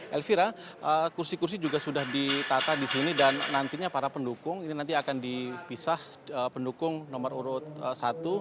elvira kursi kursi juga sudah ditata di sini dan nantinya para pendukung ini nanti akan dipisah pendukung nomor urut satu